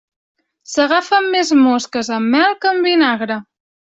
S'agafen més mosques amb mel que amb vinagre.